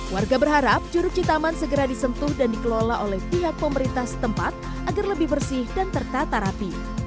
warga berharap curug citaman segera disentuh dan dikelola oleh pihak pemerintah setempat agar lebih bersih dan tertata rapi